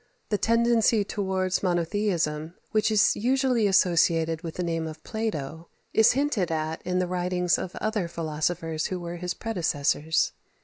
The tendency towards monotheism which is usually associated with the name of Plato is hinted at in the writings of other philosophers who were his predecessors.